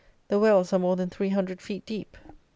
The wells are more than three hundred feet deep.